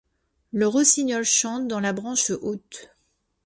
Le Rossignol chante dans la branche haute